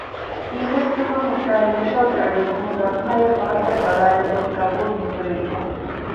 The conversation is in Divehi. ހީވެސް ނުކޮށް ހުއްޓާ ޔޫޝައުގެ އަޑު އިވުމުން ލަމްހާއަށް ފަހަތަށް ބަލާލެވުނީ ޤަބޫލުނުކުރެވިފަ